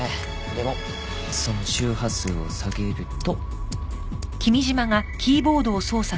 でもその周波数を下げると。